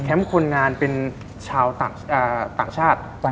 คนงานเป็นชาวต่างชาติ